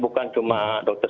mencari tahu sampai detail